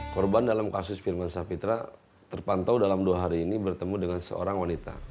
korban dalam kasus firman sapitra terpantau dalam dua hari ini bertemu dengan seorang wanita